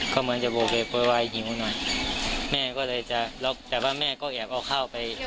เขาเหมือนจะโบเวฟเบอร์ไว้หิวหน่อยแม่ก็เลยจะแต่ว่าแม่ก็แอบเอาเข้าไป